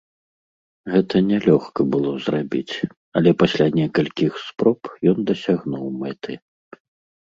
Гэта не лёгка было зрабіць, але пасля некалькіх спроб ён дасягнуў мэты.